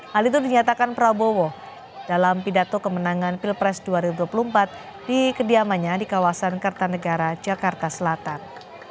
hal itu dinyatakan prabowo dalam pidato kemenangan pilpres dua ribu dua puluh empat di kediamannya di kawasan kertanegara jakarta selatan